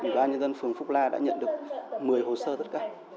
đoàn nhân dân phường phúc la đã nhận được một mươi hồ sơ tất cả